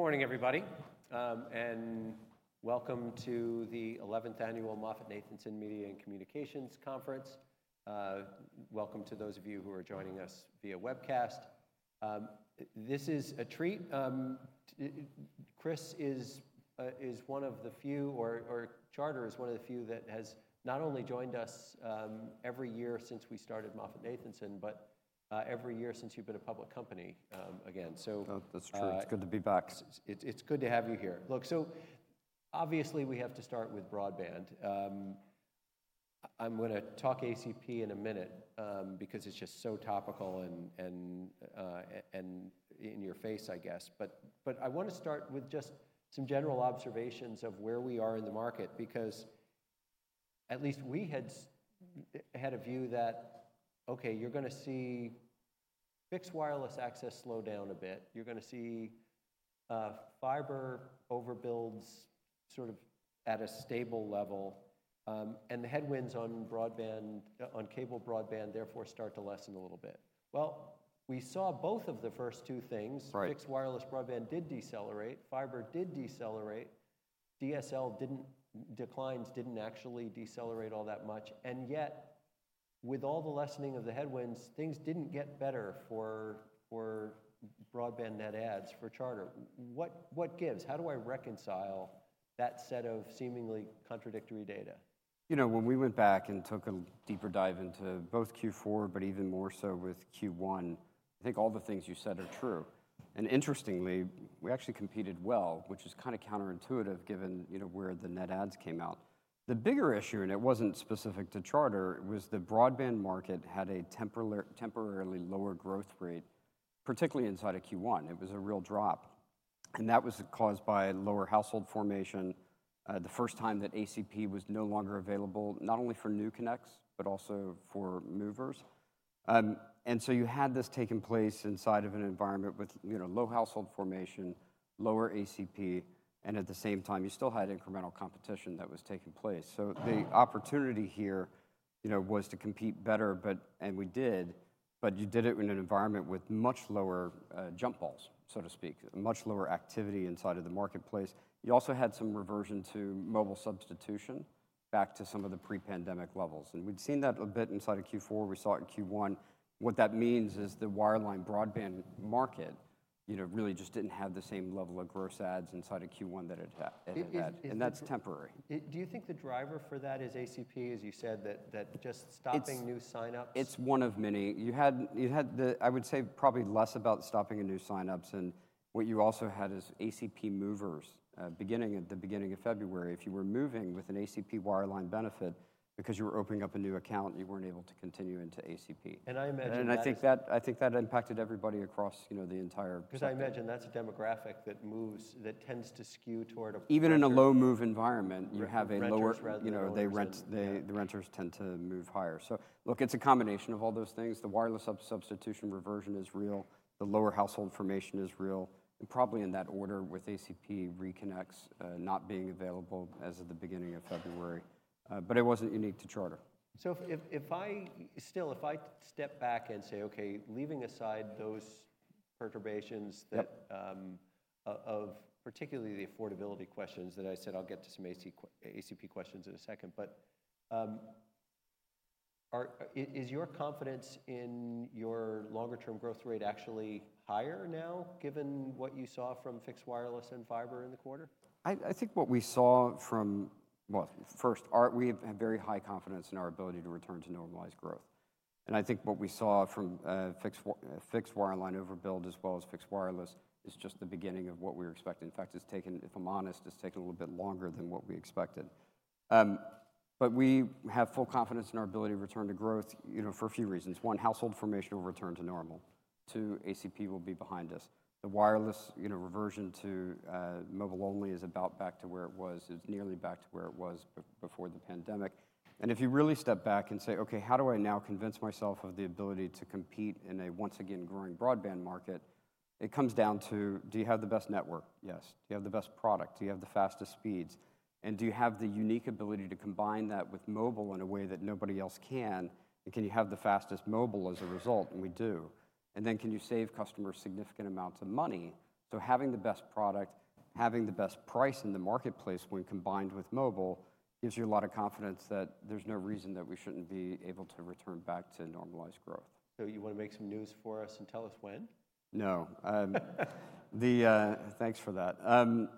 Good morning, everybody, and welcome to the 11th annual MoffettNathanson Media and Communications Conference. Welcome to those of you who are joining us via webcast. This is a treat. Chris is one of the few, or Charter is one of the few that has not only joined us every year since we started MoffettNathanson, but every year since you've been a public company, again. So. Oh, that's true. It's good to be back. It's, it's good to have you here. Look, so obviously we have to start with broadband. I'm going to talk ACP in a minute, because it's just so topical and, and, and in your face, I guess. But, but I want to start with just some general observations of where we are in the market, because at least we had a view that, okay, you're going to see fixed wireless access slow down a bit. You're going to see fiber overbuilds sort of at a stable level, and the headwinds on broadband, on cable broadband, therefore, start to lessen a little bit. Well, we saw both of the first two things. Right. Fixed wireless broadband did decelerate. Fiber did decelerate. DSL declines didn't actually decelerate all that much. And yet, with all the lessening of the headwinds, things didn't get better for, for broadband net adds for Charter. What, what gives? How do I reconcile that set of seemingly contradictory data? You know, when we went back and took a deeper dive into both Q4, but even more so with Q1, I think all the things you said are true. And interestingly, we actually competed well, which is kind of counterintuitive given, you know, where the net adds came out. The bigger issue, and it wasn't specific to Charter, was the broadband market had a temporarily lower growth rate, particularly inside of Q1. It was a real drop. And that was caused by lower household formation, the first time that ACP was no longer available, not only for new connects, but also for movers. And so you had this taking place inside of an environment with, you know, low household formation, lower ACP, and at the same time, you still had incremental competition that was taking place. So the opportunity here, you know, was to compete better, but you did it in an environment with much lower jump balls, so to speak, much lower activity inside of the marketplace. You also had some reversion to mobile substitution, back to some of the pre-pandemic levels. And we'd seen that a bit inside of Q4. We saw it in Q1. What that means is the wireline broadband market, you know, really just didn't have the same level of gross adds inside of Q1 that it had. And that's temporary. Do you think the driver for that is ACP, as you said, that just stopping new signups? It's one of many. You had the, I would say, probably less about stopping new signups. And what you also had is ACP movers, beginning at the beginning of February, if you were moving with an ACP wireline benefit because you were opening up a new account, you weren't able to continue into ACP. I imagine that. I think that impacted everybody across, you know, the entire. Because I imagine that's a demographic that moves that tends to skew toward a. Even in a low-move environment, you have a lower, you know, they rent, they, the renters tend to move higher. So look, it's a combination of all those things. The wireless substitution reversion is real. The lower household formation is real. And probably in that order with ACP reconnects, not being available as of the beginning of February. But it wasn't unique to Charter. So if I step back and say, okay, leaving aside those perturbations, particularly the affordability questions that I said I'll get to some ACP questions in a second, but is your confidence in your longer-term growth rate actually higher now given what you saw from fixed wireless and fiber in the quarter? I think what we saw from, well, first, we have very high confidence in our ability to return to normalized growth. And I think what we saw from fixed wireline overbuild as well as fixed wireless is just the beginning of what we were expecting. In fact, if I'm honest, it's taken a little bit longer than what we expected. But we have full confidence in our ability to return to growth, you know, for a few reasons. One, household formation will return to normal. Two, ACP will be behind us. The wireless, you know, reversion to mobile only is about back to where it was. It's nearly back to where it was before the pandemic. And if you really step back and say, okay, how do I now convince myself of the ability to compete in a once again growing broadband market? It comes down to, do you have the best network? Yes. Do you have the best product? Do you have the fastest speeds? Do you have the unique ability to combine that with mobile in a way that nobody else can? Can you have the fastest mobile as a result? We do. Then can you save customers significant amounts of money? Having the best product, having the best price in the marketplace when combined with mobile gives you a lot of confidence that there's no reason that we shouldn't be able to return back to normalized growth. You want to make some news for us and tell us when? No, thanks for that.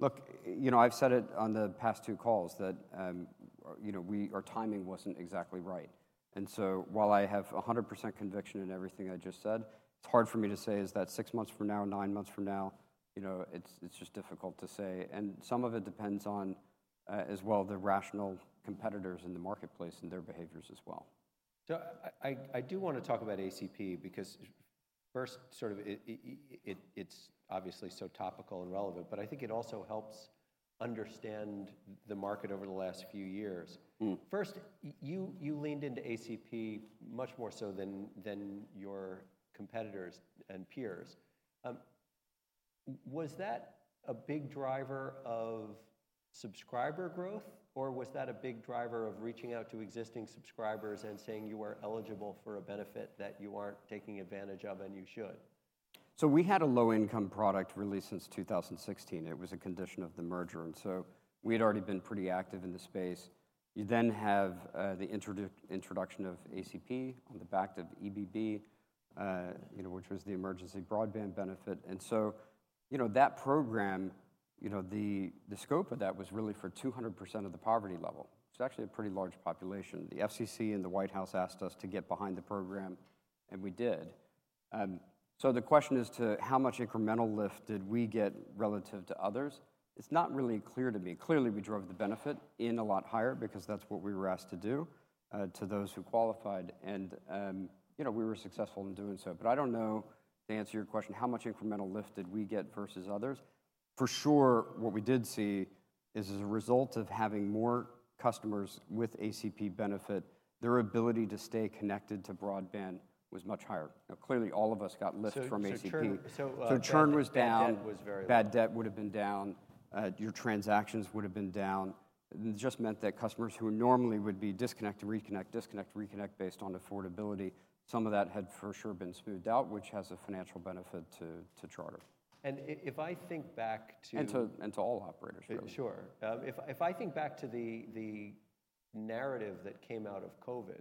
Look, you know, I've said it on the past two calls that, you know, our timing wasn't exactly right. And so while I have 100% conviction in everything I just said, it's hard for me to say is that six months from now, nine months from now, you know, it's just difficult to say. And some of it depends on, as well, the rational competitors in the marketplace and their behaviors as well. So I do want to talk about ACP because first, sort of, it's obviously so topical and relevant, but I think it also helps understand the market over the last few years. First, you leaned into ACP much more so than your competitors and peers. Was that a big driver of subscriber growth, or was that a big driver of reaching out to existing subscribers and saying you are eligible for a benefit that you aren't taking advantage of and you should? So we had a low-income product released since 2016. It was a condition of the merger. And so we had already been pretty active in the space. You then have the introduction of ACP on the back of EBB, you know, which was the Emergency Broadband Benefit. And so, you know, that program, you know, the scope of that was really for 200% of the poverty level. It's actually a pretty large population. The FCC and the White House asked us to get behind the program, and we did. So the question is to how much incremental lift did we get relative to others? It's not really clear to me. Clearly, we drove the benefit in a lot higher because that's what we were asked to do, to those who qualified. And, you know, we were successful in doing so. But I don't know to answer your question, how much incremental lift did we get versus others? For sure, what we did see is as a result of having more customers with ACP benefit, their ability to stay connected to broadband was much higher. Now, clearly, all of us got lift from ACP. So, churn, Churn was down. Bad debt was very low. Bad debt would have been down. Your transactions would have been down. And it just meant that customers who normally would be disconnect, reconnect, disconnect, reconnect based on affordability, some of that had for sure been smoothed out, which has a financial benefit to, to Charter. If I think back to. To all operators, really. Sure. If I think back to the narrative that came out of COVID,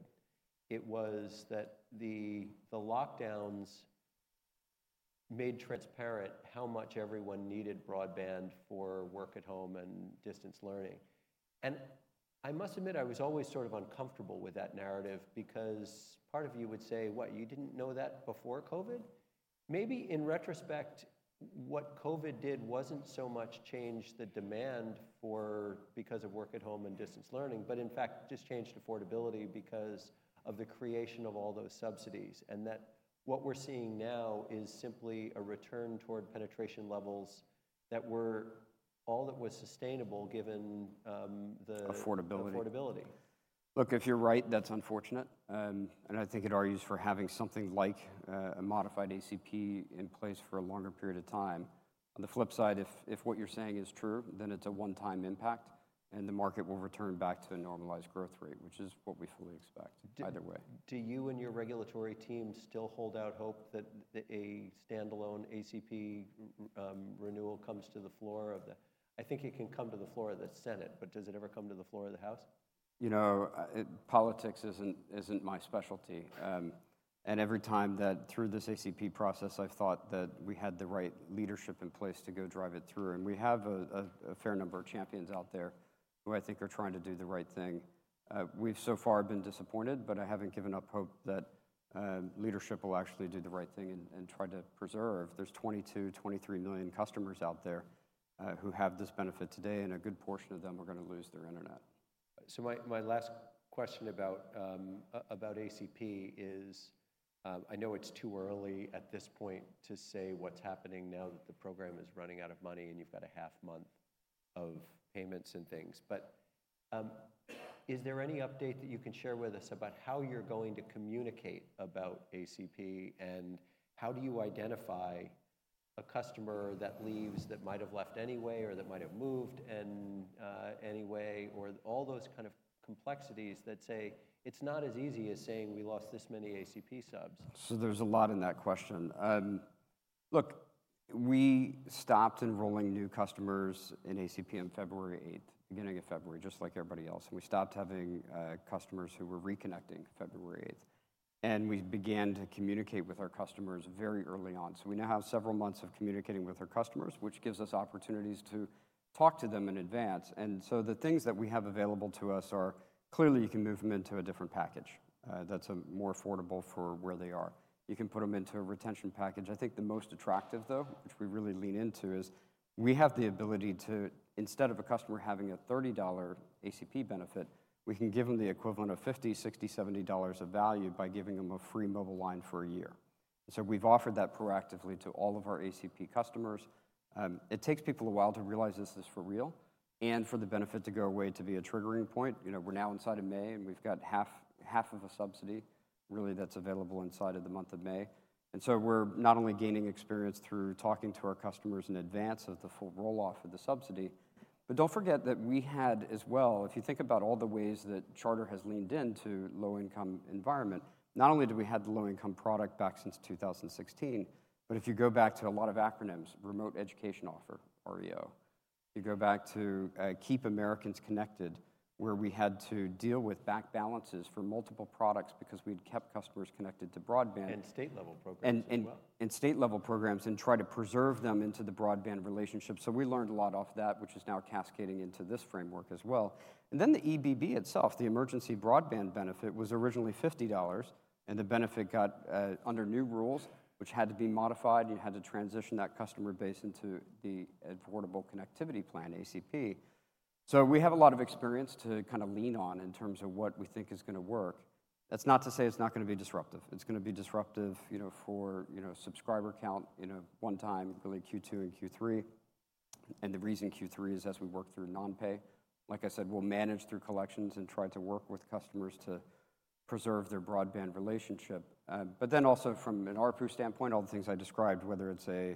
it was that the lockdowns made transparent how much everyone needed broadband for work at home and distance learning. And I must admit, I was always sort of uncomfortable with that narrative because part of you would say, what, you didn't know that before COVID? Maybe in retrospect, what COVID did wasn't so much change the demand for because of work at home and distance learning, but in fact, just change affordability because of the creation of all those subsidies. And that what we're seeing now is simply a return toward penetration levels that were all that was sustainable given, the. Affordability. Affordability. Look, if you're right, that's unfortunate. And I think it argues for having something like, a modified ACP in place for a longer period of time. On the flip side, if, if what you're saying is true, then it's a one-time impact, and the market will return back to a normalized growth rate, which is what we fully expect either way. Do you and your regulatory team still hold out hope that a standalone ACP renewal comes to the floor of the House? I think it can come to the floor of the Senate, but does it ever come to the floor of the House? You know, politics isn't my specialty. Every time that through this ACP process, I've thought that we had the right leadership in place to go drive it through. We have a fair number of champions out there who I think are trying to do the right thing. We've so far been disappointed, but I haven't given up hope that leadership will actually do the right thing and try to preserve. There's 22-23 million customers out there who have this benefit today, and a good portion of them are going to lose their internet. So my last question about ACP is, I know it's too early at this point to say what's happening now that the program is running out of money and you've got a half month of payments and things. But, is there any update that you can share with us about how you're going to communicate about ACP and how do you identify a customer that leaves that might have left anyway or that might have moved and, anyway, or all those kind of complexities that say it's not as easy as saying we lost this many ACP subs? So there's a lot in that question. Look, we stopped enrolling new customers in ACP on February 8th, beginning of February, just like everybody else. And we stopped having customers who were reconnecting February 8th. And we began to communicate with our customers very early on. So we now have several months of communicating with our customers, which gives us opportunities to talk to them in advance. And so the things that we have available to us are clearly you can move them into a different package that's a more affordable for where they are. You can put them into a retention package. I think the most attractive, though, which we really lean into, is we have the ability to instead of a customer having a $30 ACP benefit, we can give them the equivalent of $50, $60, $70 of value by giving them a free mobile line for a year. And so we've offered that proactively to all of our ACP customers. It takes people a while to realize this is for real and for the benefit to go away to be a triggering point. You know, we're now inside of May, and we've got half, half of a subsidy, really, that's available inside of the month of May. And so we're not only gaining experience through talking to our customers in advance of the full roll-off of the subsidy, but don't forget that we had as well. If you think about all the ways that Charter has leaned into the low-income environment, not only did we have the low-income product back since 2016, but if you go back to a lot of acronyms, Remote Education Offer, REO, you go back to Keep Americans Connected, where we had to deal with back balances for multiple products because we'd kept customers connected to broadband. State-level programs as well. State-level programs and try to preserve them into the broadband relationship. So we learned a lot from that, which is now cascading into this framework as well. And then the EBB itself, the Emergency Broadband Benefit, was originally $50, and the benefit got, under new rules, which had to be modified. You had to transition that customer base into the Affordable Connectivity Plan, ACP. So we have a lot of experience to kind of lean on in terms of what we think is going to work. That's not to say it's not going to be disruptive. It's going to be disruptive, you know, for, you know, subscriber count, you know, one time, really Q2 and Q3. And the reason Q3 is as we work through non-pay. Like I said, we'll manage through collections and try to work with customers to preserve their broadband relationship. but then also from an ARPU standpoint, all the things I described, whether it's a,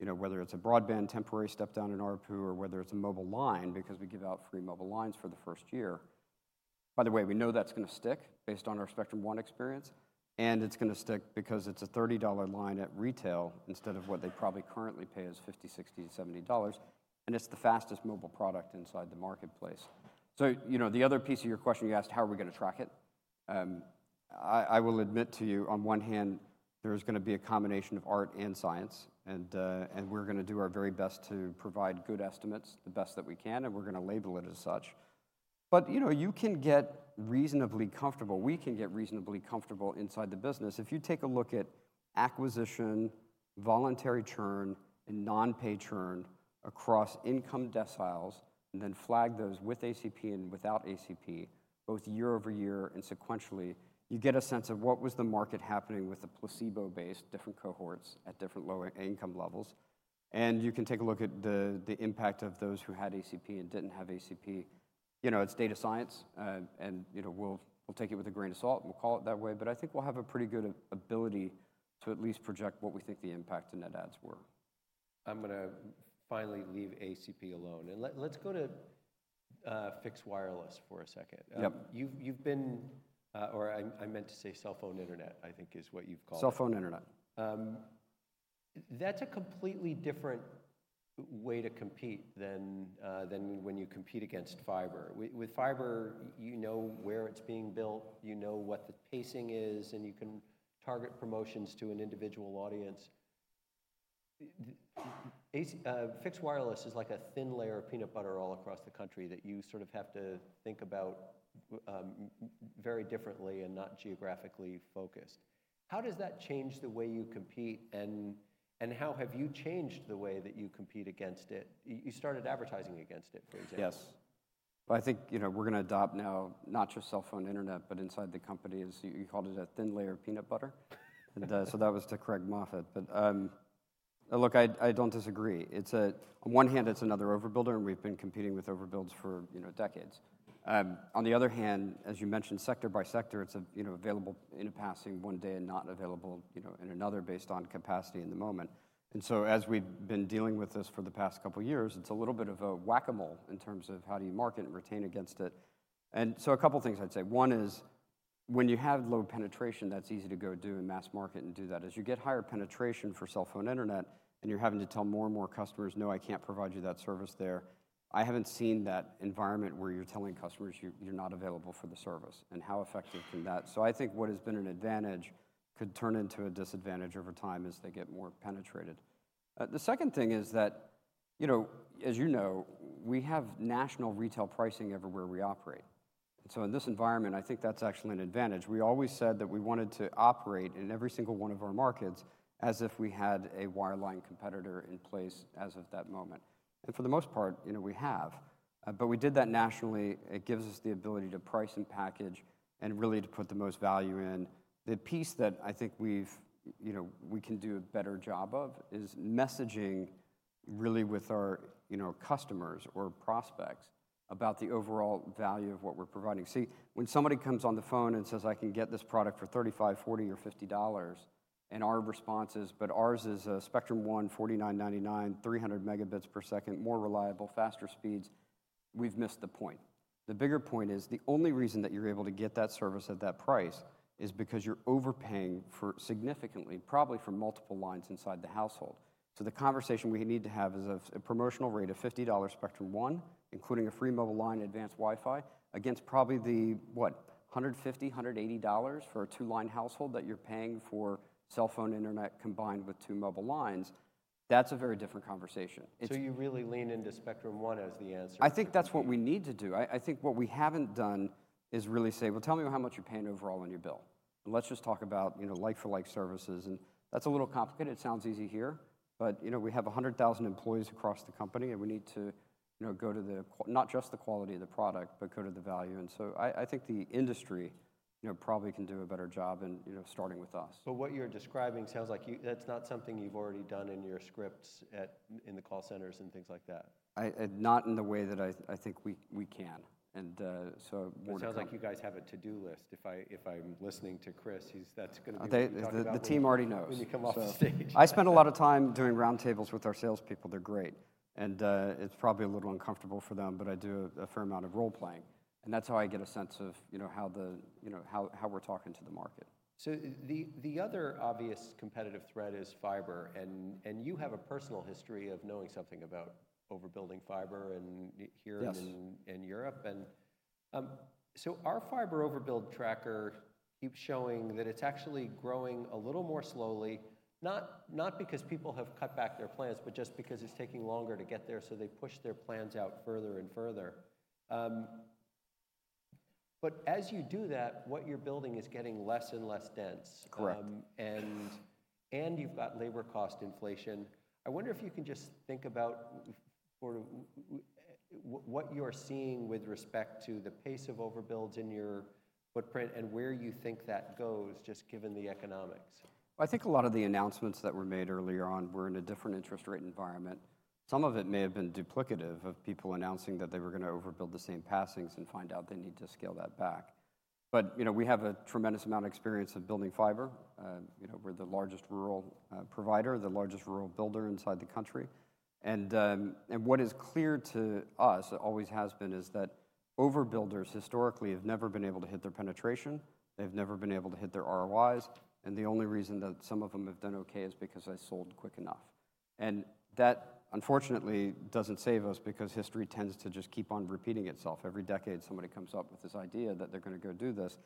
you know, whether it's a broadband temporary step down in ARPU or whether it's a mobile line, because we give out free mobile lines for the first year. By the way, we know that's going to stick based on our Spectrum One experience. And it's going to stick because it's a $30 line at retail instead of what they probably currently pay as $50, $60, $70. And it's the fastest mobile product inside the marketplace. So, you know, the other piece of your question, you asked, how are we going to track it? I, I will admit to you, on one hand, there's going to be a combination of art and science. And we're going to do our very best to provide good estimates, the best that we can, and we're going to label it as such. But, you know, you can get reasonably comfortable. We can get reasonably comfortable inside the business. If you take a look at acquisition, voluntary churn, and non-pay churn across income deciles, and then flag those with ACP and without ACP, both year over year and sequentially, you get a sense of what was the market happening with the placebo-based different cohorts at different low-income levels. And you can take a look at the impact of those who had ACP and didn't have ACP. You know, it's data science. And, you know, we'll take it with a grain of salt and we'll call it that way. But I think we'll have a pretty good ability to at least project what we think the impact to net adds were. I'm going to finally leave ACP alone. And let's go to fixed wireless for a second. Yep. You've been, or I meant to say cell phone internet, I think, is what you've called. Cell phone internet. That's a completely different way to compete than when you compete against fiber. With fiber, you know where it's being built, you know what the pacing is, and you can target promotions to an individual audience. 5G fixed wireless is like a thin layer of peanut butter all across the country that you sort of have to think about very differently and not geographically focused. How does that change the way you compete, and how have you changed the way that you compete against it? You started advertising against it, for example. Yes. Well, I think, you know, we're going to adopt now not just cell phone internet, but inside the company, as you called it, a thin layer of peanut butter. And, so that was to Craig Moffett. But, look, I, I don't disagree. It's, on one hand, it's another overbuilder, and we've been competing with overbuilds for, you know, decades. On the other hand, as you mentioned, sector by sector, it's a, you know, available in a passing one day and not available, you know, in another based on capacity in the moment. And so as we've been dealing with this for the past couple of years, it's a little bit of a whack-a-mole in terms of how do you market and retain against it. And so a couple of things I'd say. One is when you have low penetration, that's easy to go do and mass market and do that. As you get higher penetration for cell phone internet and you're having to tell more and more customers, no, I can't provide you that service there, I haven't seen that environment where you're telling customers you're not available for the service. And how effective can that? So I think what has been an advantage could turn into a disadvantage over time as they get more penetrated. The second thing is that, you know, as you know, we have national retail pricing everywhere we operate. And so in this environment, I think that's actually an advantage. We always said that we wanted to operate in every single one of our markets as if we had a wireline competitor in place as of that moment. And for the most part, you know, we have. But we did that nationally. It gives us the ability to price and package and really to put the most value in. The piece that I think we've, you know, we can do a better job of is messaging really with our, you know, customers or prospects about the overall value of what we're providing. See, when somebody comes on the phone and says, I can get this product for $35, $40, or $50, and our response is, but ours is a Spectrum One, $49.99, 300 Mbps, more reliable, faster speeds, we've missed the point. The bigger point is the only reason that you're able to get that service at that price is because you're overpaying for significantly, probably for multiple lines inside the household. So the conversation we need to have is of a promotional rate of $50 Spectrum One, including a free mobile line and advanced Wi-Fi, against probably the, what, $150-$180 for a two-line household that you're paying for cell phone internet combined with two mobile lines. That's a very different conversation. So you really lean into Spectrum One as the answer. I think that's what we need to do. I think what we haven't done is really say, well, tell me how much you're paying overall on your bill. And let's just talk about, you know, like-for-like services. And that's a little complicated. It sounds easy here. But, you know, we have 100,000 employees across the company, and we need to, you know, go to the not just the quality of the product, but go to the value. And so I think the industry, you know, probably can do a better job in, you know, starting with us. But what you're describing sounds like you. That's not something you've already done in your scripts in the call centers and things like that. I not in the way that I think we can. So more than that. It sounds like you guys have a to-do list. If I'm listening to Chris, he's that's going to be a big deal. The team already knows. When you come off stage. I spend a lot of time doing roundtables with our salespeople. They're great. It's probably a little uncomfortable for them, but I do a fair amount of role-playing. That's how I get a sense of, you know, how the, you know, how we're talking to the market. So the other obvious competitive threat is fiber. And you have a personal history of knowing something about overbuilding fiber here and in Europe. And so our fiber overbuild tracker keeps showing that it's actually growing a little more slowly, not because people have cut back their plans, but just because it's taking longer to get there. So they push their plans out further and further. But as you do that, what you're building is getting less and less dense. Correct. and you've got labor cost inflation. I wonder if you can just think about sort of what you're seeing with respect to the pace of overbuilds in your footprint and where you think that goes, just given the economics. Well, I think a lot of the announcements that were made earlier on were in a different interest rate environment. Some of it may have been duplicative of people announcing that they were going to overbuild the same passings and find out they need to scale that back. But, you know, we have a tremendous amount of experience of building fiber. You know, we're the largest rural provider, the largest rural builder inside the country. And what is clear to us, it always has been, is that overbuilders historically have never been able to hit their penetration. They've never been able to hit their ROIs. And the only reason that some of them have done okay is because they sold quick enough. And that, unfortunately, doesn't save us because history tends to just keep on repeating itself. Every decade, somebody comes up with this idea that they're going to go do this.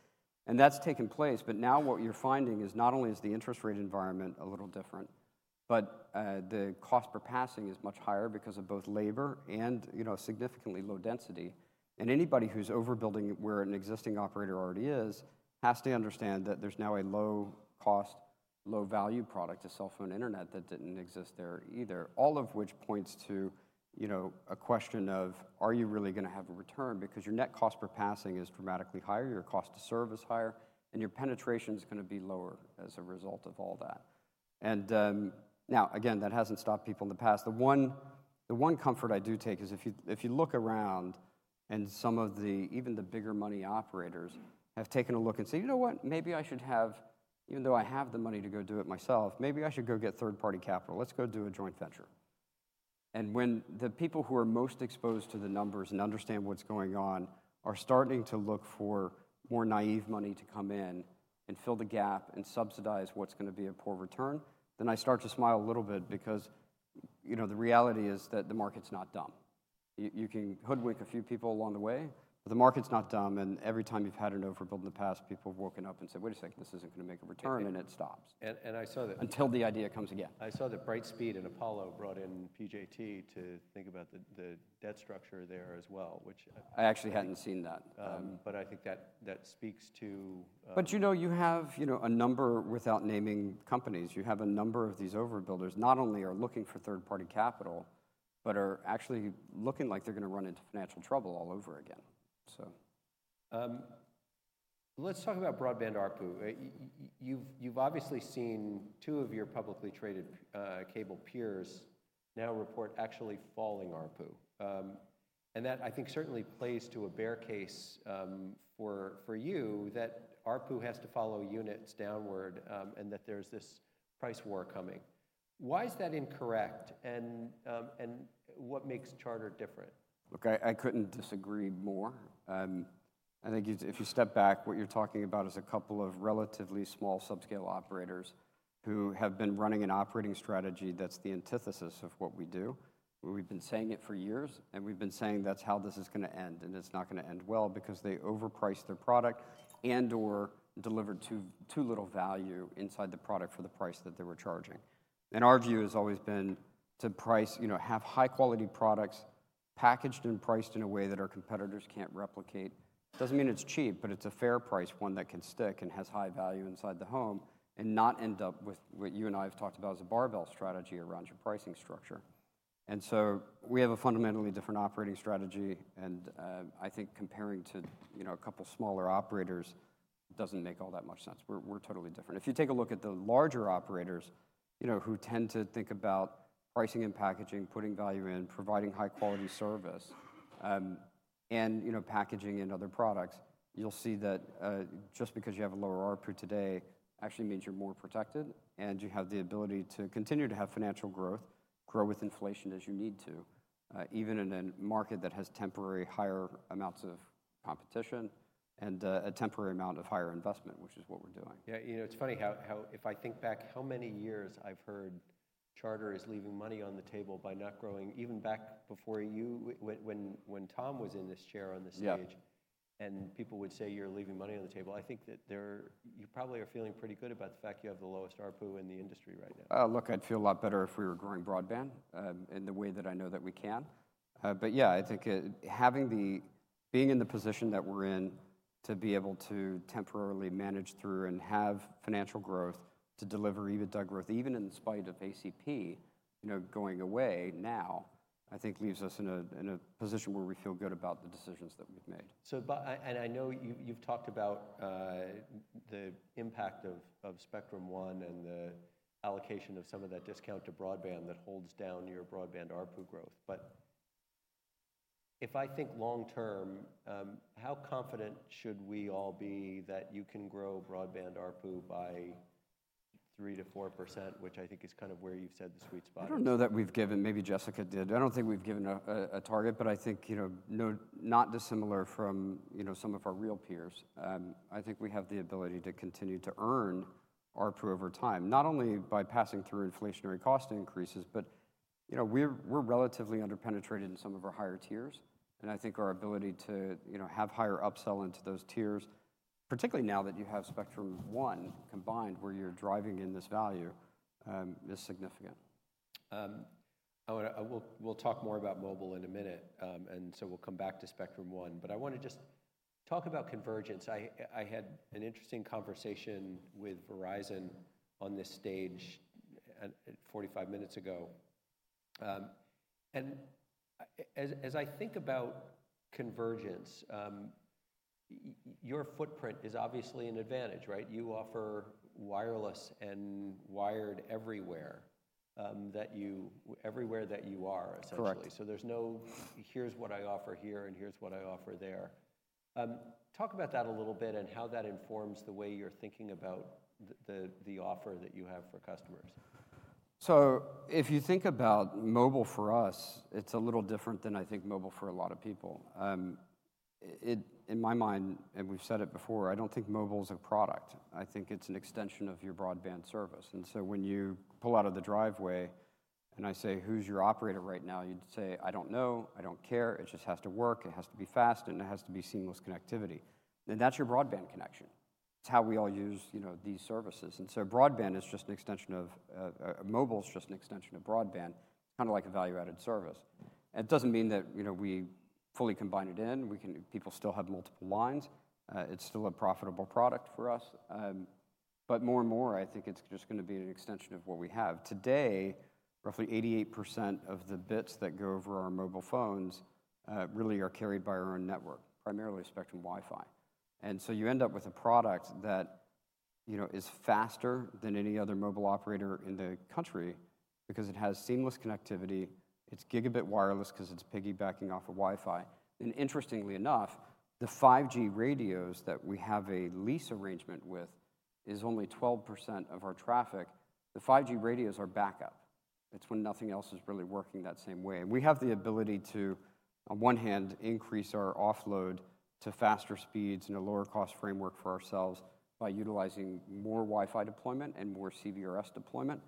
And that's taken place. But now what you're finding is not only is the interest rate environment a little different, but the cost per passing is much higher because of both labor and, you know, significantly low density. And anybody who's overbuilding where an existing operator already is has to understand that there's now a low cost, low value product, a cell phone internet that didn't exist there either, all of which points to, you know, a question of, are you really going to have a return? Because your net cost per passing is dramatically higher. Your cost to service is higher. And your penetration is going to be lower as a result of all that. And, now, again, that hasn't stopped people in the past. The one comfort I do take is if you look around and some of the even the bigger money operators have taken a look and said, you know what? Maybe I should have, even though I have the money to go do it myself, maybe I should go get third-party capital. Let's go do a joint venture. And when the people who are most exposed to the numbers and understand what's going on are starting to look for more naive money to come in and fill the gap and subsidize what's going to be a poor return, then I start to smile a little bit because, you know, the reality is that the market's not dumb. You can hoodwink a few people along the way, but the market's not dumb. Every time you've had an overbuild in the past, people have woken up and said, wait a second, this isn't going to make a return, and it stops. I saw that. Until the idea comes again. I saw that Brightspeed and Apollo brought in PJT to think about the debt structure there as well, which. I actually hadn't seen that. But I think that, that speaks to, You know, you have, you know, a number, without naming companies, you have a number of these overbuilders not only are looking for third-party capital, but are actually looking like they're going to run into financial trouble all over again. So. Let's talk about broadband ARPU. You've, you've obviously seen two of your publicly traded cable peers now report actually falling ARPU. And that I think certainly plays to a bear case for you that ARPU has to follow units downward, and that there's this price war coming. Why is that incorrect? And what makes Charter different? Look, I, I couldn't disagree more. I think if you step back, what you're talking about is a couple of relatively small subscale operators who have been running an operating strategy that's the antithesis of what we do. We've been saying it for years, and we've been saying that's how this is going to end. It's not going to end well because they overpriced their product and/or delivered too, too little value inside the product for the price that they were charging. Our view has always been to price, you know, have high-quality products packaged and priced in a way that our competitors can't replicate. Doesn't mean it's cheap, but it's a fair price, one that can stick and has high value inside the home and not end up with what you and I have talked about as a barbell strategy around your pricing structure. And so we have a fundamentally different operating strategy. And I think comparing to, you know, a couple smaller operators doesn't make all that much sense. We're totally different. If you take a look at the larger operators, you know, who tend to think about pricing and packaging, putting value in, providing high-quality service, and, you know, packaging in other products, you'll see that, just because you have a lower ARPU today actually means you're more protected and you have the ability to continue to have financial growth, grow with inflation as you need to, even in a market that has temporary higher amounts of competition and, a temporary amount of higher investment, which is what we're doing. Yeah. You know, it's funny how if I think back how many years I've heard Charter is leaving money on the table by not growing, even back before you, when Tom was in this chair on the stage. Yeah. People would say you're leaving money on the table. I think that you're probably feeling pretty good about the fact you have the lowest ARPU in the industry right now. Oh, look, I'd feel a lot better if we were growing broadband, in the way that I know that we can. But yeah, I think, in the position that we're in to be able to temporarily manage through and have financial growth to deliver even double growth, even in spite of ACP, you know, going away now, I think leaves us in a position where we feel good about the decisions that we've made. So, but and I know you've talked about the impact of Spectrum One and the allocation of some of that discount to broadband that holds down your broadband ARPU growth. But if I think long-term, how confident should we all be that you can grow broadband ARPU by 3%-4%, which I think is kind of where you've said the sweet spot? I don't know that we've given, maybe Jessica did. I don't think we've given a target, but I think, you know, no, not dissimilar from, you know, some of our real peers. I think we have the ability to continue to earn ARPU over time, not only by passing through inflationary cost increases, but, you know, we're, we're relatively underpenetrated in some of our higher tiers. I think our ability to, you know, have higher upsell into those tiers, particularly now that you have Spectrum One combined where you're driving in this value, is significant. I want to. We'll talk more about mobile in a minute. So we'll come back to Spectrum One. I want to just talk about convergence. I had an interesting conversation with Verizon on this stage 45 minutes ago. And as I think about convergence, your footprint is obviously an advantage, right? You offer wireless and wired everywhere that you are essentially. Correct. So there's no, here's what I offer here and here's what I offer there. Talk about that a little bit and how that informs the way you're thinking about the offer that you have for customers. So if you think about mobile for us, it's a little different than I think mobile for a lot of people. It in my mind, and we've said it before, I don't think mobile is a product. I think it's an extension of your broadband service. And so when you pull out of the driveway and I say, who's your operator right now? You'd say, I don't know. I don't care. It just has to work. It has to be fast, and it has to be seamless connectivity. And that's your broadband connection. It's how we all use, you know, these services. And so broadband is just an extension of, mobile is just an extension of broadband. It's kind of like a value-added service. And it doesn't mean that, you know, we fully combine it in. We can. People still have multiple lines. It's still a profitable product for us. But more and more, I think it's just going to be an extension of what we have. Today, roughly 88% of the bits that go over our mobile phones really are carried by our own network, primarily Spectrum Wi-Fi. And so you end up with a product that, you know, is faster than any other mobile operator in the country because it has seamless connectivity. It's gigabit wireless because it's piggybacking off of Wi-Fi. And interestingly enough, the 5G radios that we have a lease arrangement with is only 12% of our traffic. The 5G radios are backup. It's when nothing else is really working that same way. And we have the ability to, on one hand, increase our offload to faster speeds and a lower cost framework for ourselves by utilizing more Wi-Fi deployment and more CBRS deployment.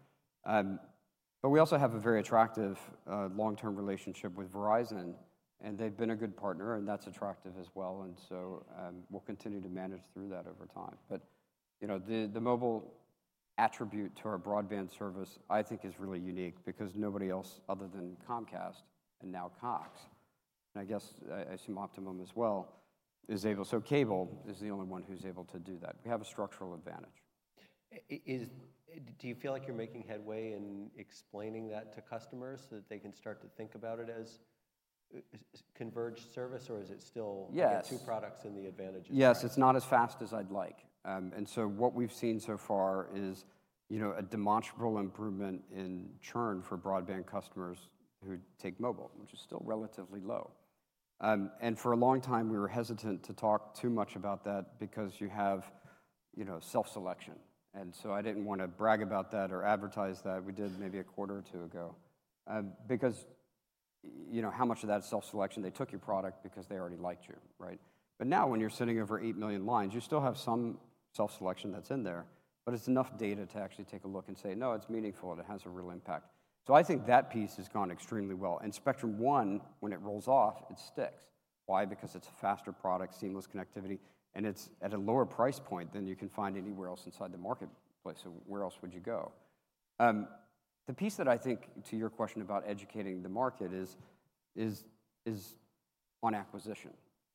but we also have a very attractive, long-term relationship with Verizon, and they've been a good partner, and that's attractive as well. And so, we'll continue to manage through that over time. But, you know, the mobile attribute to our broadband service, I think, is really unique because nobody else other than Comcast and now Cox, and I guess I assume Optimum as well, is able so cable is the only one who's able to do that. We have a structural advantage. Do you feel like you're making headway in explaining that to customers so that they can start to think about it as converged service, or is it still? Yes. 2 products and the advantages? Yes. It's not as fast as I'd like. So what we've seen so far is, you know, a demonstrable improvement in churn for broadband customers who take mobile, which is still relatively low. For a long time, we were hesitant to talk too much about that because you have, you know, self-selection. And so I didn't want to brag about that or advertise that. We did maybe a quarter or two ago because, you know, how much of that self-selection? They took your product because they already liked you, right? But now when you're sitting over 8 million lines, you still have some self-selection that's in there, but it's enough data to actually take a look and say, no, it's meaningful and it has a real impact. So I think that piece has gone extremely well. And Spectrum One, when it rolls off, it sticks. Why? Because it's a faster product, seamless connectivity, and it's at a lower price point than you can find anywhere else inside the marketplace. So where else would you go? The piece that I think to your question about educating the market is on acquisition.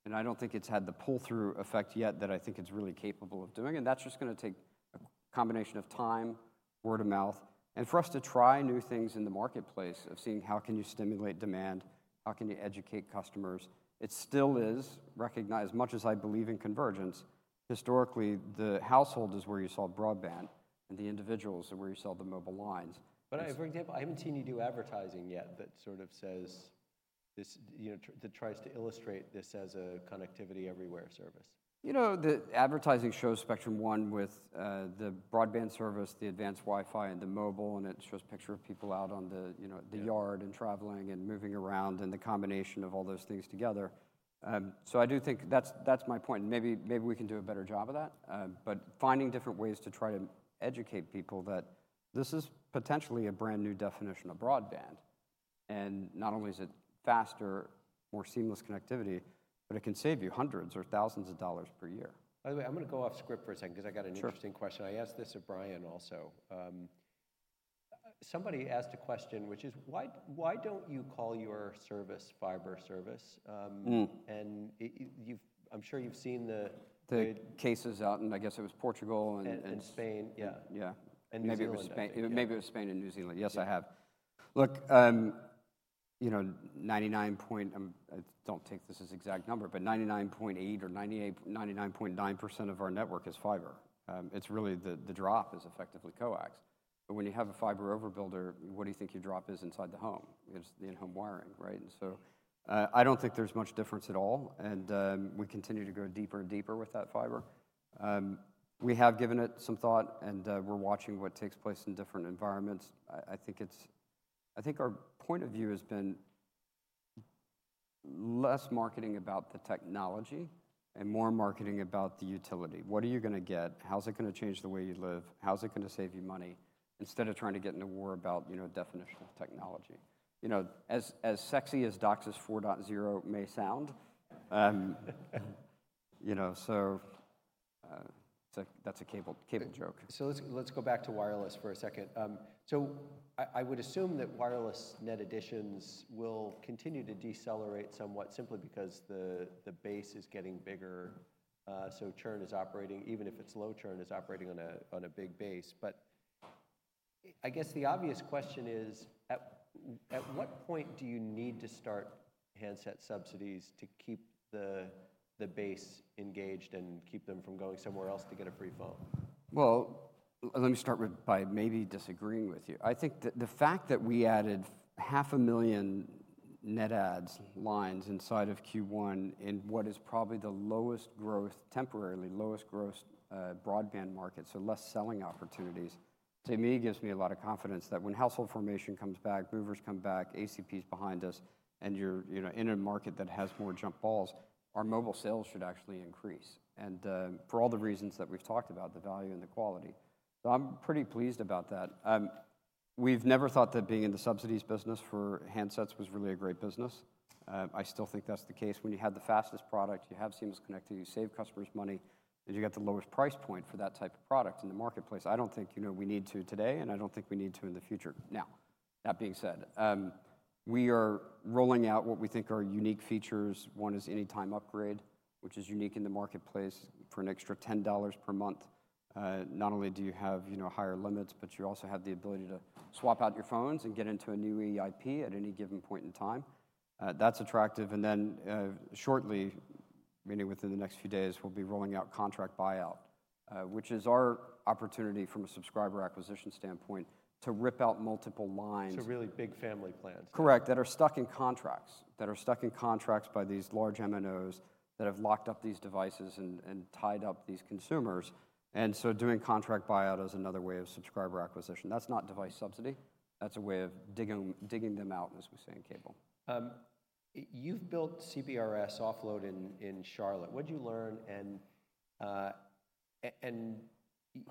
And I don't think it's had the pull-through effect yet that I think it's really capable of doing. And that's just going to take a combination of time, word of mouth, and for us to try new things in the marketplace of seeing how can you stimulate demand, how can you educate customers. It still is recognized as much as I believe in convergence. Historically, the household is where you sell broadband, and the individuals are where you sell the mobile lines. I, for example, haven't seen you do advertising yet that sort of says this, you know, that tries to illustrate this as a connectivity everywhere service. You know, the advertising shows Spectrum One with the broadband service, the advanced Wi-Fi, and the mobile, and it shows a picture of people out on the, you know, the yard and traveling and moving around and the combination of all those things together. So I do think that's, that's my point. And maybe, maybe we can do a better job of that. But finding different ways to try to educate people that this is potentially a brand new definition of broadband. And not only is it faster, more seamless connectivity, but it can save you hundreds or thousands of dollars per year. By the way, I'm going to go off script for a second because I got an interesting question. I asked this of Brian also. Somebody asked a question, which is, why, why don't you call your service fiber service? And you've, I'm sure, you've seen the. The cases out in, I guess it was, Portugal and. Spain. Yeah. Yeah. New Zealand. Maybe it was Spain. Maybe it was Spain and New Zealand. Yes, I have. Look, you know, 99%. I don't take this as exact number, but 99.8 or 98, 99.9% of our network is fiber. It's really the drop is effectively coax. But when you have a fiber overbuilder, what do you think your drop is inside the home? It's the in-home wiring, right? We continue to go deeper and deeper with that fiber. We have given it some thought, and we're watching what takes place in different environments. I think our point of view has been less marketing about the technology and more marketing about the utility. What are you going to get? How's it going to change the way you live? How's it going to save you money instead of trying to get in a war about, you know, a definition of technology? You know, as, as sexy as DOCSIS 4.0 may sound, you know, so, that's a cable, cable joke. So let's go back to wireless for a second. So I would assume that wireless net additions will continue to decelerate somewhat simply because the base is getting bigger. So churn is operating, even if it's low, on a big base. But I guess the obvious question is, at what point do you need to start handset subsidies to keep the base engaged and keep them from going somewhere else to get a free phone? Well, let me start with by maybe disagreeing with you. I think the fact that we added 500,000 net adds lines inside of Q1 in what is probably the lowest growth temporarily, lowest growth, broadband market, so less selling opportunities, to me gives me a lot of confidence that when household formation comes back, movers come back, ACP is behind us, and you're, you know, in a market that has more jump balls, our mobile sales should actually increase. For all the reasons that we've talked about, the value and the quality. So I'm pretty pleased about that. We've never thought that being in the subsidies business for handsets was really a great business. I still think that's the case. When you have the fastest product, you have seamless connectivity, you save customers money, and you get the lowest price point for that type of product in the marketplace. I don't think, you know, we need to today, and I don't think we need to in the future. Now, that being said, we are rolling out what we think are unique features. One is Anytime Upgrade, which is unique in the marketplace for an extra $10 per month. Not only do you have, you know, higher limits, but you also have the ability to swap out your phones and get into a new EIP at any given point in time. That's attractive. And then, shortly, meaning within the next few days, we'll be rolling out Contract Buyout, which is our opportunity from a subscriber acquisition standpoint to rip out multiple lines. Really big family plans. Correct. That are stuck in contracts, that are stuck in contracts by these large MNOs that have locked up these devices and, and tied up these consumers. And so doing Contract Buyout is another way of subscriber acquisition. That's not device subsidy. That's a way of digging, digging them out, as we say, in cable. You've built CBRS offload in, in Charlotte. What'd you learn? And, and you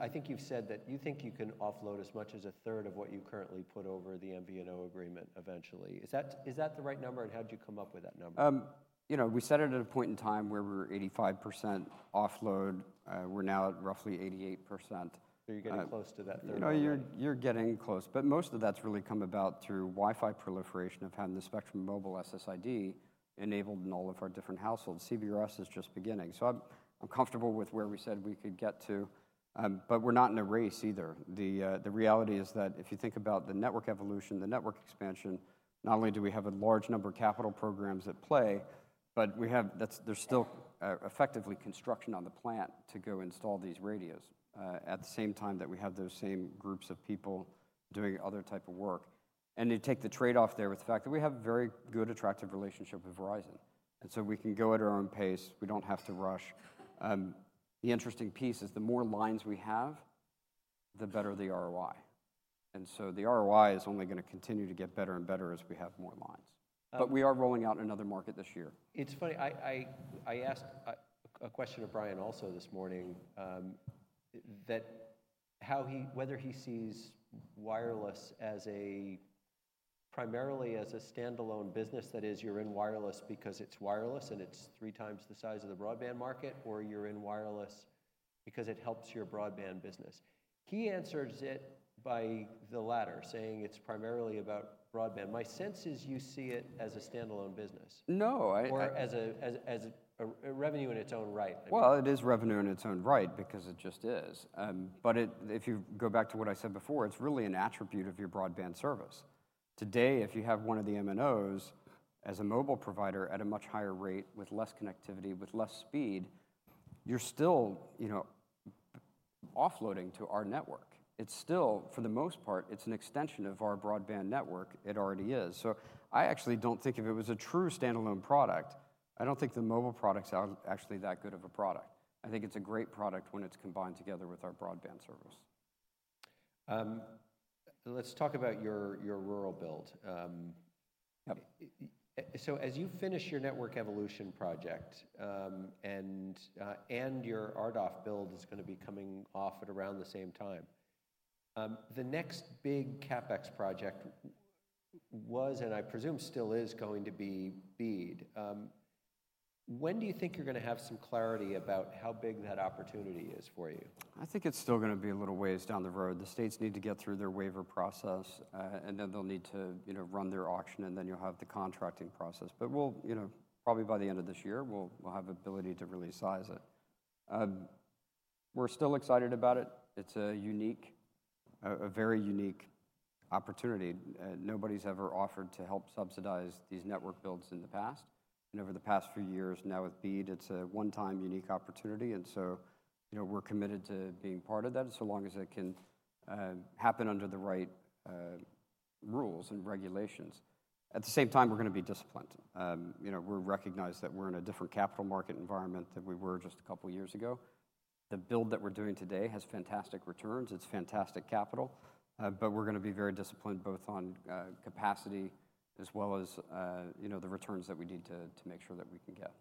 I think you've said that you think you can offload as much as a third of what you currently put over the MVNO agreement eventually. Is that, is that the right number? And how'd you come up with that number? You know, we set it at a point in time where we were 85% offload. We're now at roughly 88%. So you're getting close to that third number. You know, you're getting close. But most of that's really come about through Wi-Fi proliferation of having the Spectrum Mobile SSID enabled in all of our different households. CBRS is just beginning. So I'm comfortable with where we said we could get to. But we're not in a race either. The reality is that if you think about the network evolution, the network expansion, not only do we have a large number of capital programs at play, but that's there's still effectively construction on the plant to go install these radios, at the same time that we have those same groups of people doing other type of work. And you take the trade-off there with the fact that we have a very good, attractive relationship with Verizon. And so we can go at our own pace. We don't have to rush. The interesting piece is the more lines we have, the better the ROI. And so the ROI is only going to continue to get better and better as we have more lines. But we are rolling out in another market this year. It's funny. I asked a question of Brian also this morning, that how he whether he sees wireless as a primarily as a standalone business that is you're in wireless because it's wireless and it's three times the size of the broadband market, or you're in wireless because it helps your broadband business. He answers it by the latter, saying it's primarily about broadband. My sense is you see it as a standalone business. No. Or as a revenue in its own right. Well, it is revenue in its own right because it just is. But it if you go back to what I said before, it's really an attribute of your broadband service. Today, if you have one of the MNOs as a mobile provider at a much higher rate, with less connectivity, with less speed, you're still, you know, offloading to our network. It's still, for the most part, it's an extension of our broadband network. It already is. So I actually don't think if it was a true standalone product, I don't think the mobile product's actually that good of a product. I think it's a great product when it's combined together with our broadband service. Let's talk about your rural build. Yep. As you finish your network evolution project, and your RDOF build is going to be coming off at around the same time, the next big CapEx project was and I presume still is going to be BEAD. When do you think you're going to have some clarity about how big that opportunity is for you? I think it's still going to be a little ways down the road. The states need to get through their waiver process, and then they'll need to, you know, run their auction, and then you'll have the contracting process. But we'll, you know, probably by the end of this year, we'll have ability to really size it. We're still excited about it. It's a very unique opportunity. Nobody's ever offered to help subsidize these network builds in the past. And over the past few years, now with BEAD, it's a one-time, unique opportunity. And so, you know, we're committed to being part of that as long as it can happen under the right rules and regulations. At the same time, we're going to be disciplined. You know, we recognize that we're in a different capital market environment than we were just a couple of years ago. The build that we're doing today has fantastic returns. It's fantastic capital. But we're going to be very disciplined both on capacity as well as, you know, the returns that we need to make sure that we can get.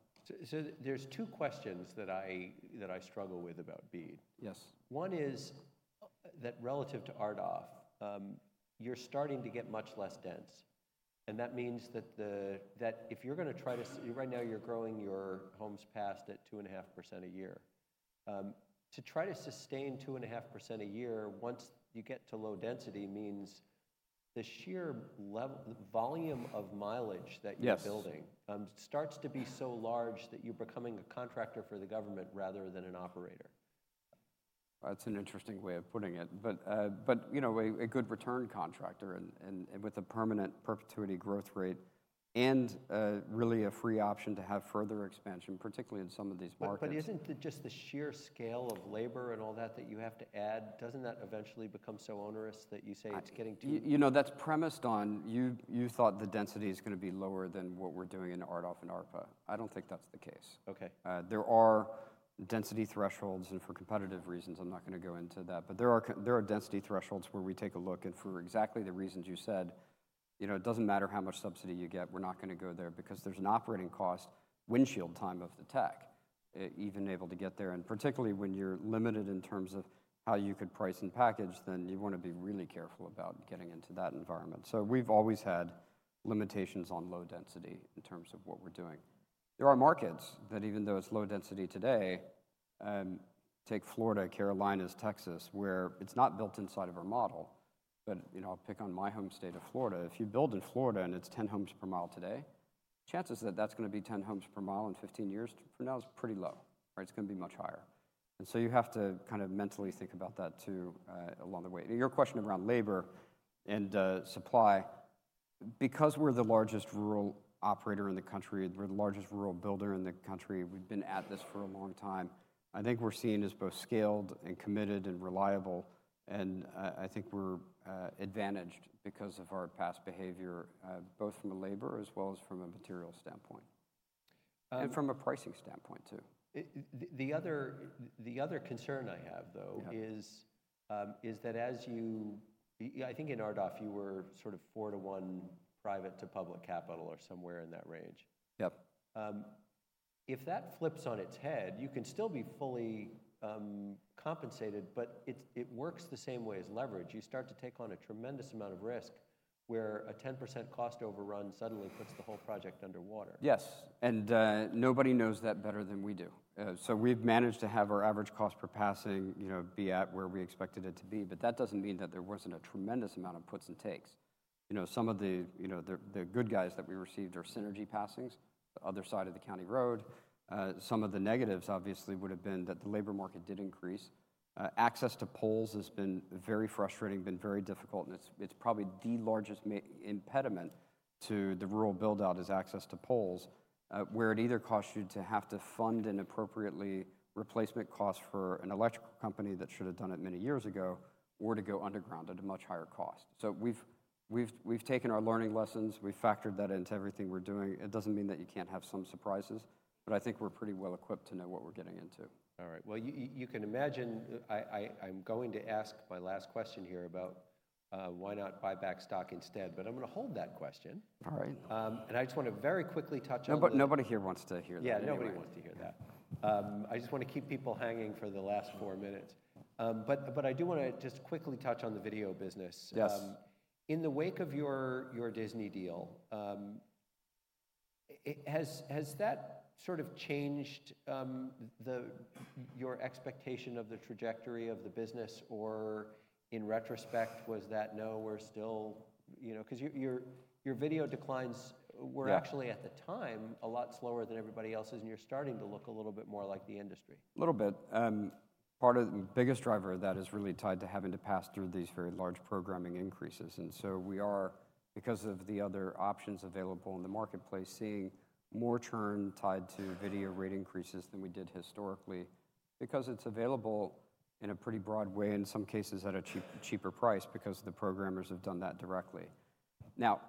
There's two questions that I struggle with about BEAD. Yes. One is that relative to RDoF, you're starting to get much less dense. And that means that if you're going to try to right now, you're growing your homes passed at 2.5% a year to try to sustain 2.5% a year once you get to low density means the sheer level volume of mileage that you're building. Yes. starts to be so large that you're becoming a contractor for the government rather than an operator. That's an interesting way of putting it. But you know, a good return on capital and with a permanent perpetuity growth rate and really a free option to have further expansion, particularly in some of these markets. Isn't it just the sheer scale of labor and all that that you have to add? Doesn't that eventually become so onerous that you say it's getting too much? You know, that's premised on you, you thought the density is going to be lower than what we're doing in RDoF and ARPA. I don't think that's the case. Okay. There are density thresholds and for competitive reasons, I'm not going to go into that. But there are, there are density thresholds where we take a look and for exactly the reasons you said, you know, it doesn't matter how much subsidy you get, we're not going to go there because there's an operating cost windshield time of the tech, even able to get there. And particularly when you're limited in terms of how you could price and package, then you want to be really careful about getting into that environment. So we've always had limitations on low density in terms of what we're doing. There are markets that even though it's low density today, take Florida, Carolinas, Texas, where it's not built inside of our model. But, you know, I'll pick on my home state of Florida. If you build in Florida and it's 10 homes per mile today, chances that that's going to be 10 homes per mile in 15 years from now is pretty low, right? It's going to be much higher. And so you have to kind of mentally think about that too, along the way. And your question around labor and supply, because we're the largest rural operator in the country, we're the largest rural builder in the country. We've been at this for a long time. I think we're seen as both scaled and committed and reliable. And I think we're advantaged because of our past behavior, both from a labor as well as from a material standpoint. And from a pricing standpoint too. The other concern I have, though, is that as you I think in RDoF, you were sort of 4-to-1 private to public capital or somewhere in that range. Yep. If that flips on its head, you can still be fully compensated, but it works the same way as leverage. You start to take on a tremendous amount of risk where a 10% cost overrun suddenly puts the whole project underwater. Yes. And nobody knows that better than we do. So we've managed to have our average cost per passing, you know, be at where we expected it to be. But that doesn't mean that there wasn't a tremendous amount of puts and takes. You know, some of the, you know, the good guys that we received are synergy passings, the other side of the county road. Some of the negatives obviously would have been that the labor market did increase. Access to poles has been very frustrating, been very difficult. And it's probably the largest impediment to the rural buildout is access to poles, where it either costs you to have to fund an appropriate replacement cost for an electrical company that should have done it many years ago or to go underground at a much higher cost. So we've taken our learning lessons. We've factored that into everything we're doing. It doesn't mean that you can't have some surprises. But I think we're pretty well equipped to know what we're getting into. All right. Well, you can imagine I, I'm going to ask my last question here about, why not buy back stock instead? But I'm going to hold that question. All right. And I just want to very quickly touch on. Nobody here wants to hear that. Yeah, nobody wants to hear that. I just want to keep people hanging for the last four minutes. But, but I do want to just quickly touch on the video business. Yes. In the wake of your Disney deal, has that sort of changed your expectation of the trajectory of the business? Or, in retrospect, was that, no, we're still, you know, because your video declines were actually at the time a lot slower than everybody else's, and you're starting to look a little bit more like the industry. A little bit. Part of the biggest driver of that is really tied to having to pass through these very large programming increases. And so we are, because of the other options available in the marketplace, seeing more churn tied to video rate increases than we did historically because it's available in a pretty broad way, in some cases at a cheaper price because the programmers have done that directly. Now,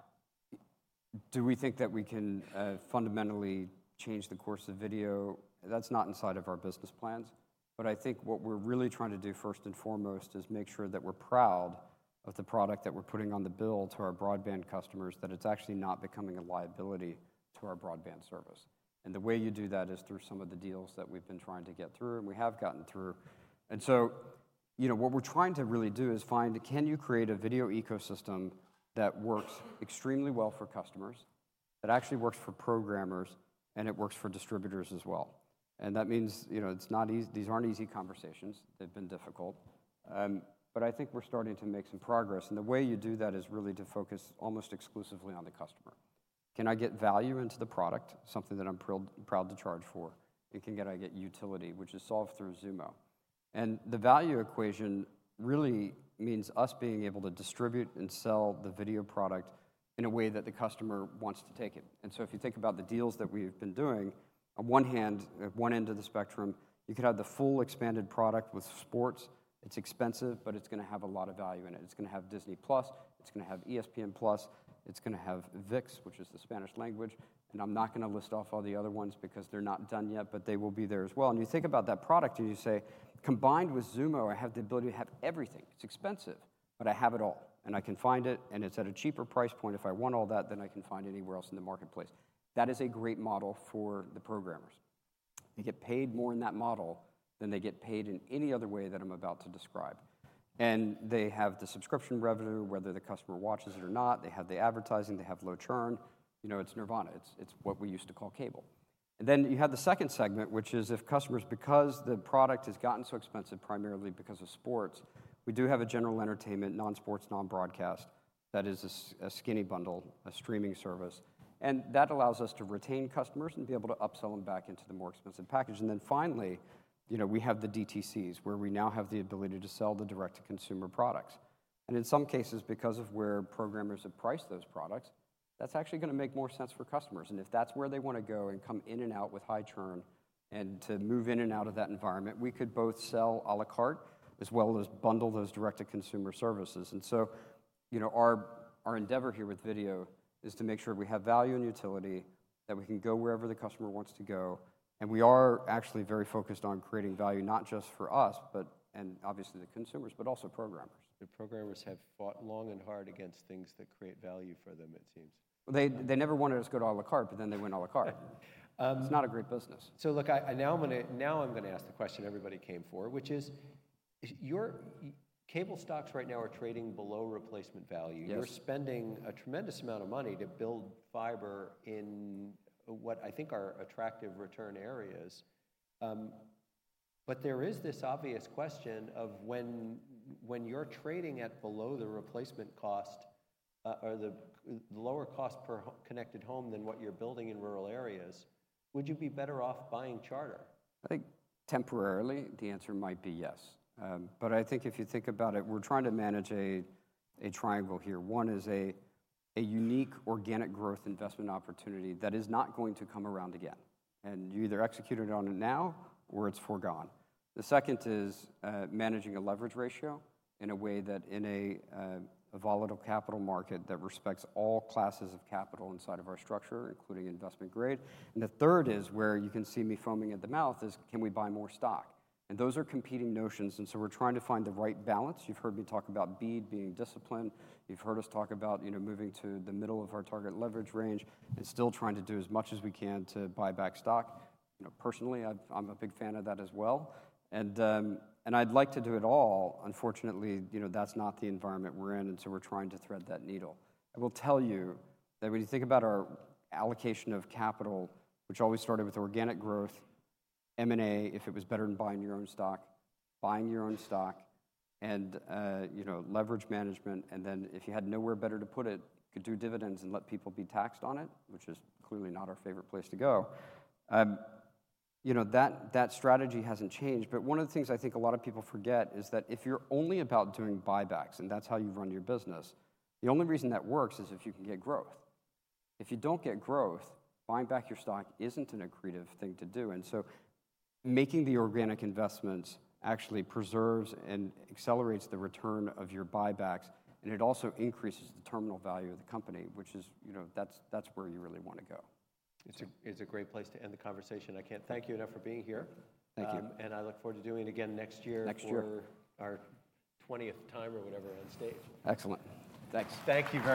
do we think that we can, fundamentally change the course of video? That's not inside of our business plans. But I think what we're really trying to do first and foremost is make sure that we're proud of the product that we're putting on the bill to our broadband customers, that it's actually not becoming a liability to our broadband service. And the way you do that is through some of the deals that we've been trying to get through and we have gotten through. And so, you know, what we're trying to really do is find, can you create a video ecosystem that works extremely well for customers, that actually works for programmers, and it works for distributors as well? And that means, you know, it's not easy. These aren't easy conversations. They've been difficult. But I think we're starting to make some progress. And the way you do that is really to focus almost exclusively on the customer. Can I get value into the product, something that I'm proud to charge for? And can I get utility, which is solved through Xumo? And the value equation really means us being able to distribute and sell the video product in a way that the customer wants to take it. And so if you think about the deals that we've been doing, on one hand, at one end of the spectrum, you could have the full expanded product with sports. It's expensive, but it's going to have a lot of value in it. It's going to have Disney+. It's going to have ESPN+. It's going to have ViX, which is the Spanish language. And I'm not going to list off all the other ones because they're not done yet, but they will be there as well. And you think about that product and you say, combined with Xumo, I have the ability to have everything. It's expensive, but I have it all. And I can find it. And it's at a cheaper price point. If I want all that, then I can find anywhere else in the marketplace. That is a great model for the programmers. They get paid more in that model than they get paid in any other way that I'm about to describe. And they have the subscription revenue, whether the customer watches it or not. They have the advertising. They have low churn. You know, it's Nirvana. It's, it's what we used to call cable. And then you have the second segment, which is if customers, because the product has gotten so expensive, primarily because of sports, we do have a general entertainment, non-sports, non-broadcast, that is a skinny bundle, a streaming service. And that allows us to retain customers and be able to upsell them back into the more expensive package. And then finally, you know, we have the DTCs where we now have the ability to sell the direct-to-consumer products. In some cases, because of where programmers have priced those products, that's actually going to make more sense for customers. If that's where they want to go and come in and out with high churn and to move in and out of that environment, we could both sell à la carte as well as bundle those direct-to-consumer services. So, you know, our, our endeavor here with video is to make sure we have value and utility, that we can go wherever the customer wants to go. We are actually very focused on creating value, not just for us, but, and obviously the consumers, but also programmers. The programmers have fought long and hard against things that create value for them, it seems. Well, they never wanted us to go to à la carte, but then they went à la carte. It's not a great business. So look, now I'm going to ask the question everybody came for, which is your cable stocks right now are trading below replacement value. Yes. You're spending a tremendous amount of money to build fiber in what I think are attractive return areas. There is this obvious question of when, when you're trading at below the replacement cost, or the lower cost per connected home than what you're building in rural areas, would you be better off buying Charter? I think temporarily, the answer might be yes. But I think if you think about it, we're trying to manage a triangle here. One is a unique organic growth investment opportunity that is not going to come around again. You either executed on it now or it's forgone. The second is managing a leverage ratio in a way that in a volatile capital market that respects all classes of capital inside of our structure, including investment grade. And the third is where you can see me foaming at the mouth is, can we buy more stock? And those are competing notions. So we're trying to find the right balance. You've heard me talk about BEAD being disciplined. You've heard us talk about, you know, moving to the middle of our target leverage range and still trying to do as much as we can to buy back stock. You know, personally, I've, I'm a big fan of that as well. And I'd like to do it all. Unfortunately, you know, that's not the environment we're in. And so we're trying to thread that needle. I will tell you that when you think about our allocation of capital, which always started with organic growth, M&A, if it was better than buying your own stock, buying your own stock, and, you know, leverage management, and then if you had nowhere better to put it, you could do dividends and let people be taxed on it, which is clearly not our favorite place to go, you know, that strategy hasn't changed. But one of the things I think a lot of people forget is that if you're only about doing buybacks and that's how you run your business, the only reason that works is if you can get growth. If you don't get growth, buying back your stock isn't an accretive thing to do. And so making the organic investments actually preserves and accelerates the return of your buybacks. And it also increases the terminal value of the company, which is, you know, that's, that's where you really want to go. It's a great place to end the conversation. I can't thank you enough for being here. Thank you. I look forward to doing it again next year. Next year. For our 20th time or whatever on stage. Excellent. Thanks. Thank you, Michael.